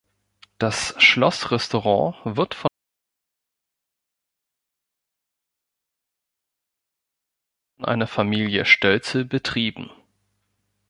Das Schloss-Restaurant wird von einer Familie Stölzl betrieben.